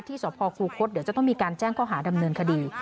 สพคูคศเดี๋ยวจะต้องมีการแจ้งข้อหาดำเนินคดี